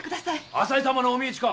浅井様のお身内か？